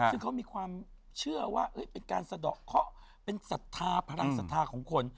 ซึ่งเขามีความเชื่อว่าเป็นการสะดอกเคาะเป็นศรัทธาพลังศรัทธาของคน